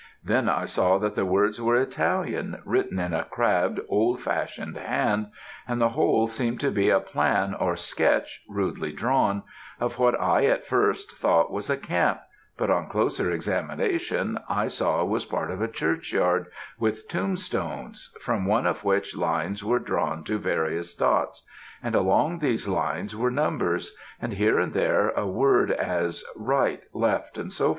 Then I saw that the words were Italian, written in a crabbed, old fashioned hand, and the whole seemed to be a plan, or sketch, rudely drawn, of what I at first thought was a camp but, on closer examination, I saw was part of a churchyard, with tomb stones, from one of which lines were drawn to various dots, and along these lines were numbers, and here and there a word as right, left, &c.